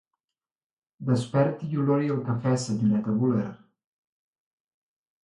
Desperti i olori el cafè, senyoreta Bueller.